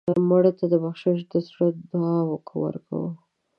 مړه ته د بخشش د زړه دعا ورکوو